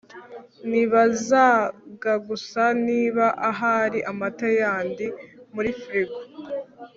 nibazaga gusa niba ahari amata yandi muri firigo